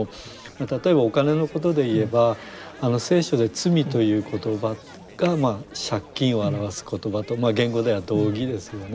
例えばお金のことで言えば聖書で罪という言葉が借金を表す言葉と原語では同義ですよね。